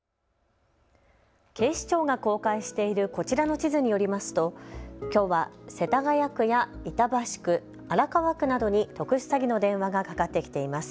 警視庁が公開しているこちらの地図によりますときょうは世田谷区や板橋区、荒川区などに特殊詐欺の電話がかかってきています。